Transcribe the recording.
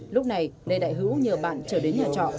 lúc này lê đại hữu nhờ bạn trở đến nhà trọ